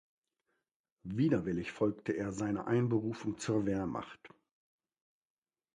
Widerwillig folgte er seiner Einberufung zur Wehrmacht.